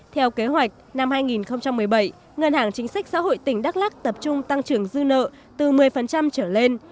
theo kế hoạch năm hai nghìn một mươi bảy ngân hàng chính sách xã hội tỉnh đắk lắc tập trung tăng trưởng dư nợ từ một mươi trở lên